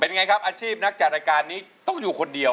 ไงครับอาชีพนักจัดรายการนี้ต้องอยู่คนเดียว